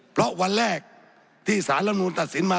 เพราะวันแรกที่สารอนวุฒิตัสสินมา